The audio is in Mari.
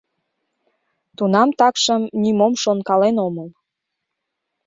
Тунам такшым нимом шонкален омыл.